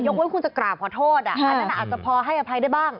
ยกว่าคุณจะกราบขอโทษอาจจะพอให้อภัยได้บ้าง